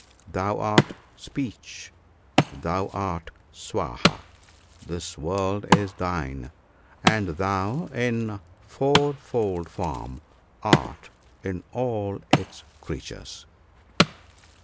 Thou art speech ; thou art Swaha ; this world is thine, and thou, in four fold form, art in all its creatures."